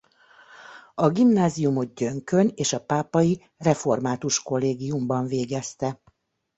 A gimnáziumot Gyönkön és a Pápai Református Kollégiumban végezte.